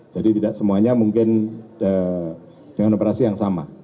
jadi tidak semuanya mungkin dengan operasi yang sama